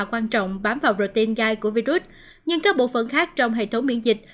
quan trọng bám vào tên gai của virus nhưng các bộ phận khác trong hệ thống miễn dịch